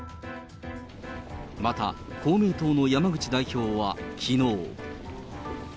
また、公明党の山口代表はきのう。